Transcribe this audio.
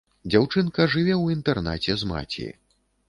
Дзяўчынка жыве ў інтэрнаце з маці.